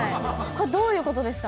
これどういうことですかね。